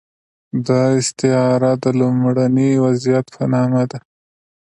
دا استعاره د لومړني وضعیت په نامه ده.